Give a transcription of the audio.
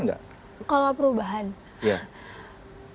dibandingkan sebelumnya atau